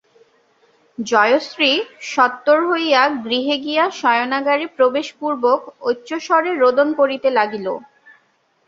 জয়শ্রী সত্বর হইয়া গৃহে গিয়া শয়নাগারে প্রবেশপূর্বক উচ্চৈ স্বরে রোদন করিতে লাগিল।